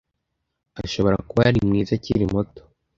Ashobora kuba yari mwiza akiri muto.